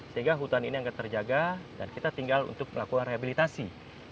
sehingga hutan ini agak terjaga dan kita tinggal untuk melakukan rehabilitasi